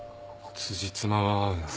つじつまは合うな。